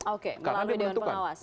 oke melalui dewan pengawas